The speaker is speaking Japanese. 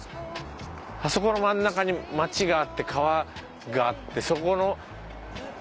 あそこの真ん中に町があって川があってそこの。